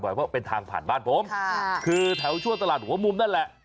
ว่าเป็นทางผ่านบ้านผมคือแถวชั่วตลาดหัวมุมนั่นแหละ